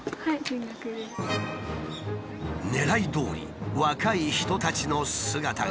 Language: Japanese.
ねらいどおり若い人たちの姿が。